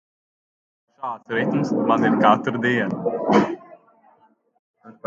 Šāds ritms man ir katru dienu.